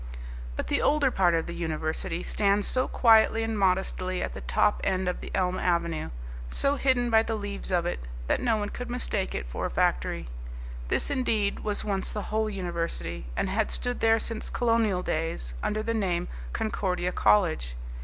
But the older part of the university stands so quietly and modestly at the top end of the elm avenue, so hidden by the leaves of it, that no one could mistake it for a factory. This, indeed, was once the whole university, and had stood there since colonial days under the name Concordia College.